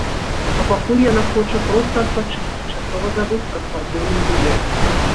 А пакуль яна хоча проста адпачыць і часова забыць пра спартыўную дыету.